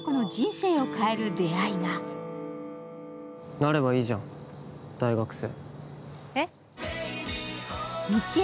なればいいじゃん、大学生。